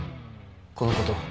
このこと。